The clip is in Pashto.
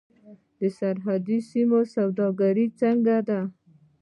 د سرحدي سیمو سوداګري څنګه ده؟